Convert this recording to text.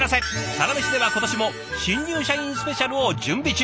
「サラメシ」では今年も「新入社員スペシャル」を準備中。